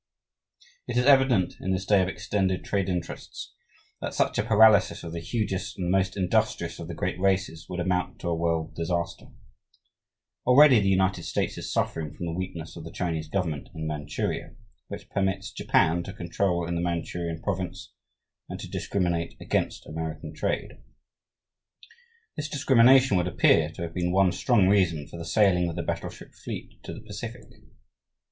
It is evident, in this day of extended trade interests, that such a paralysis of the hugest and the most industrious of the great races would amount to a world disaster. Already the United States is suffering from the weakness of the Chinese government in Manchuria, which permits Japan to control in the Manchurian province and to discriminate against American trade. This discrimination would appear to have been one strong reason for the sailing of the battleship fleet to the Pacific.